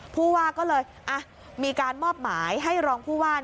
ผู้ว่าก็เลยมีการมอบหมายให้รองผู้ว่า